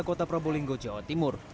kota probolinggo jawa timur